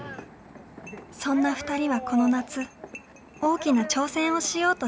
そんな２人はこの夏大きな挑戦をしようとしていました。